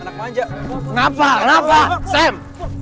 kenapa kenapa sam